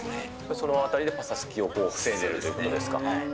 そのあたりでぱさつきを防いでるということですか。